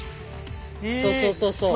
そうそうそうそう。